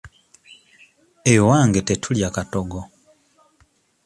Ewange tetulya katogo.